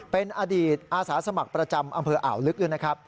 เป็นอดีตอาสาสมัครประจำอำเภออ่าวลึก